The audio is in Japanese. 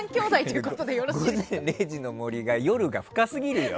「午前０時の森」は夜が深すぎるよ。